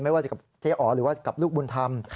ไม่ว่าจะกับเจ๊อ๋อหรือว่ากับลูกบุญธรรม